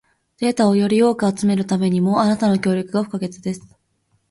データをより多く集めるためにも、あなたの協力が不可欠です。